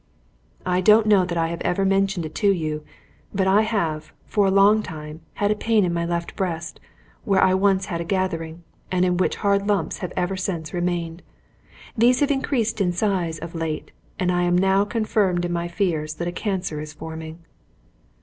"I don't know that I have ever mentioned it to you, but I have, for a long time, had a pain in my left breast, where I once had a gathering, and in which hard lumps have ever since remained. These have increased in size, of late, and I am now confirmed in my fears that a cancer is forming."